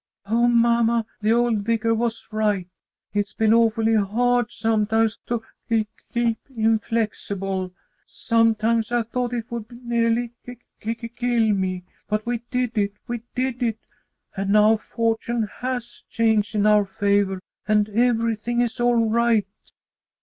"Oh, mamma, the old Vicar was right. It's been awfully hard sometimes to k keep inflexible. Sometimes I thought it would nearly k kill me! But we did it! We did it! And now fortune has changed in our favor, and everything is all right!"